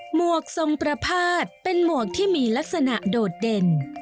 หวกทรงประพาทเป็นหมวกที่มีลักษณะโดดเด่น